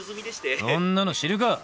そんなの知るか！